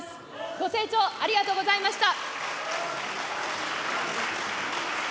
ご清聴ありがとうございました。